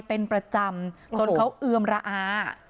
เป็นประจำจนเขาเอือมระอา